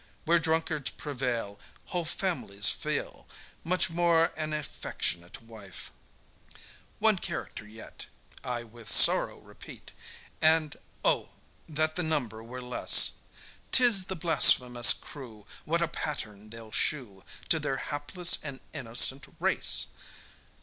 Where drunkards prevail, Whole families feel, Much more an affectionate wife. One character yet; I with sorrow repeat, And O! that the number were less; 'Tis the blasphemous crew: What a pattern they'll shew To their hapless and innocent race!